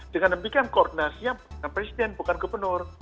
dengan demikian koordinasi yang bukan presiden bukan gubernur